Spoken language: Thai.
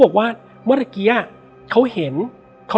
และวันนี้แขกรับเชิญที่จะมาเชิญที่เรา